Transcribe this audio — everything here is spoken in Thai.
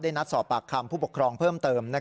ได้นัดสอบปากคำผู้ปกครองเพิ่ม